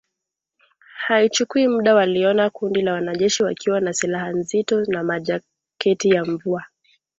Haikuchukua muda waliona kundi la wanajeshi wakiwa na silaha nzito na majaketi ya mvua